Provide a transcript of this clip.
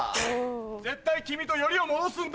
絶対君とよりを戻すんだ！